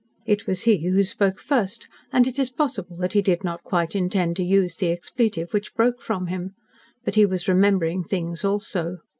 It was he who spoke first, and it is possible that he did not quite intend to use the expletive which broke from him. But he was remembering things also.